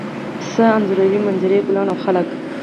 څه انځوروئ؟ منظرې، ګلان او خلک